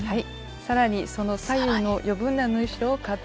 さらにその左右の余分な縫い代をカットします。